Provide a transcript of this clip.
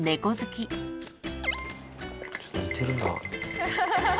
ちょっと似てるな。